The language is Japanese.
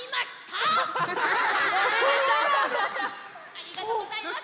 ありがとうございます！